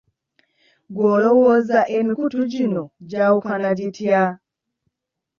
Ggwe olowooza emikutu gino gyawukana gitya?